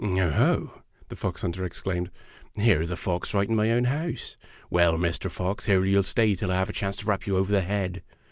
"Oho!" the fox hunter exclaimed, "here is a fox right in my own house. Well, Mr. Fox, here you'll stay till I have a chance to rap you over the head.